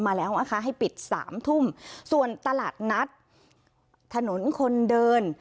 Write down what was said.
มาแล้วนะคะให้ปิดสามทุ่มส่วนตลาดนัดถนนคนเดิน